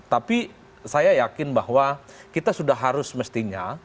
tapi saya yakin bahwa kita sudah harus mestinya